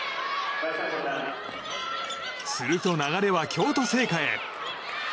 すると流れは京都精華へ。